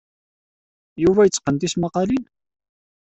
Yuba yetteqqen tismaqqalin?